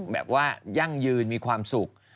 แบบว่ายั่งยืนมีความสุข